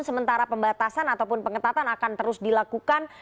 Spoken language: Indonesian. sementara pembatasan ataupun pengetatan akan terus dilakukan